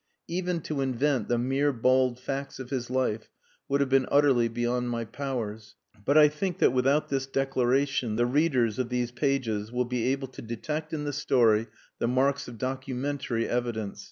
Even to invent the mere bald facts of his life would have been utterly beyond my powers. But I think that without this declaration the readers of these pages will be able to detect in the story the marks of documentary evidence.